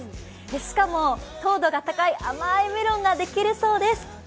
しかも、糖度が高い甘いメロンができるそうです。